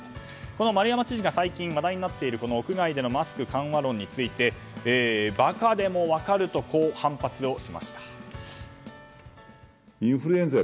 この丸山知事が最近話題になっている屋外でのマスク緩和論についてバカでも分かるとこう、反発をしました。